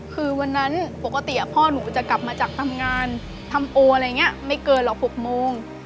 คือวันนั้นปกติพ่อหนูจะกลับมาจากทำงานทำโออะไรอย่างนี้ไม่เกินหรอก๖โมง